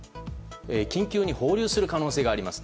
緊急に放流する可能性があります。